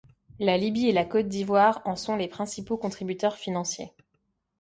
La Libye et la Côte d'Ivoire en sont les principaux contributeurs financiers.